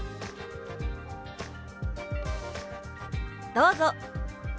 どうぞ！